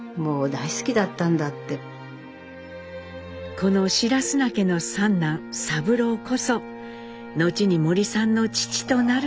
この白砂家の三男三郎こそ後に森さんの父となる人でした。